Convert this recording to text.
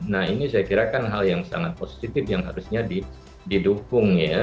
nah ini saya kira kan hal yang sangat positif yang harusnya didukung ya